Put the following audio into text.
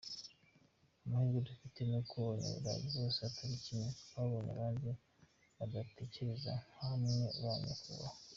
Amahirwe dufite n’uko Abanyaburayi bose atari kimwe, twabonye abandi badatekereza nkamwe ba Nyakubahwa.